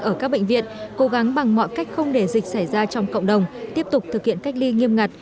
ở các bệnh viện cố gắng bằng mọi cách không để dịch xảy ra trong cộng đồng tiếp tục thực hiện cách ly nghiêm ngặt